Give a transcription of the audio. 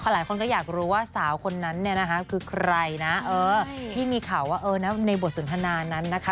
หลายคนก็อยากรู้ว่าสาวคนนั้นเนี่ยนะคะคือใครนะที่มีข่าวว่าในบทสนทนานั้นนะคะ